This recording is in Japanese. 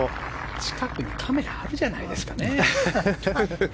近くにカメラあるじゃないですか。